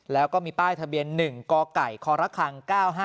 แล้วก็มีป้ายทะเบียนหนึ่งกไก่คละครัง๙๕๗๘